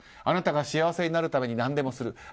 あなたが幸せになるために何でもする。